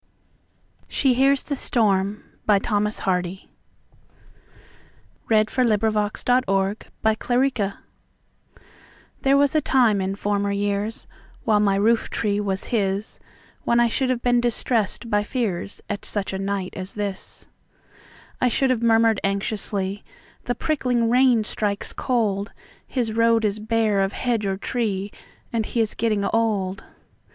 She Hears the Storm By Thomas Hardy THERE was a time in former years—While my roof tree was his—When I should have been distressed by fearsAt such a night as this.I should have murmured anxiously,"The pricking rain strikes cold; His road is bare of hedge or tree, And he is getting old."